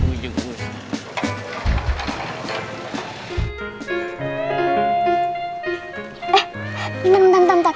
eh bentar bentar bentar